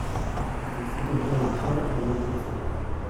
Mais si quelqu’un au tien allait dire cela ?…